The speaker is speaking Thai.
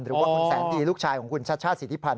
หรือว่าคุณแสนปิติศิษภัณฑ์ลูกชายของคุณชชาติศิษภัณฑ์